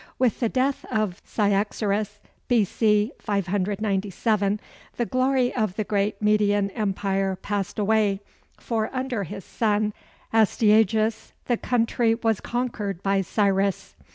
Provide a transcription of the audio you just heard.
With the death of Cyaxares, B.C. 597, the glory of the great Median Empire passed away, for under his son, Astyages, the country was conquered by Cyrus.